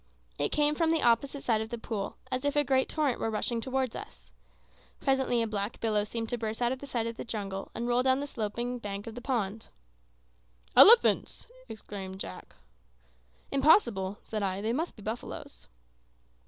It came from the opposite side of the pool, as if a great torrent were rushing towards us. Presently a black billow seemed to burst out of the jungle and roll down the sloping bank of the pond. "Elephants!" exclaimed Jack. "Impossible," said I; "they must be buffaloes."